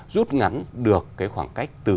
rút ngắn được cái khoảng cách từ